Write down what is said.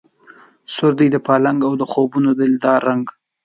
سور دی د پالنګ او د خوبونو د دلدار رنګ